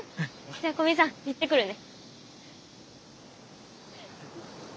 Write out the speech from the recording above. じゃあ古見さん行ってくるね。